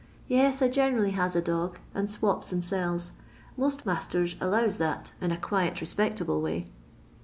Yes, I generally has a dog, and swops and sells. Most masters allows that in a quiet respectable way."